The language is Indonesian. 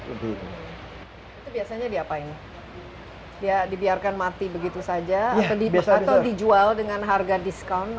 itu biasanya diapain ya dibiarkan mati begitu saja atau dijual dengan harga diskon